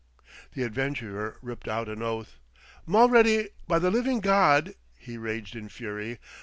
The adventurer ripped out an oath. "Mulready, by the living God!" he raged in fury.